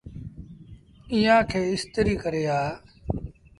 ايٚئآن کي استريٚ ڪري آ۔